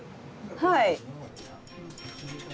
はい。